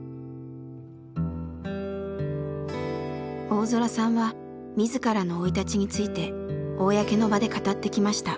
大空さんは自らの生い立ちについて公の場で語ってきました。